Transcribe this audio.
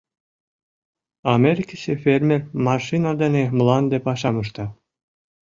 Америкысе фермер машина дене мланде пашам ышта.